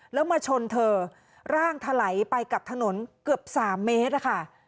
แล้วมาชนเธอร่างถลายไปกับถนนเกือบ๓เมตรอะค่ะ